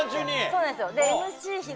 そうなんですよ。